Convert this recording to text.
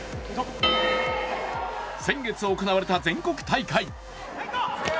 先月行われた全国大会。